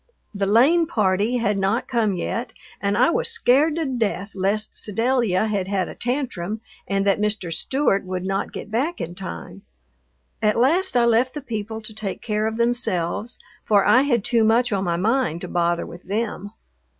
The Lane party had not come yet, and I was scared to death lest Sedalia had had a tantrum and that Mr. Stewart would not get back in time. At last I left the people to take care of themselves, for I had too much on my mind to bother with them.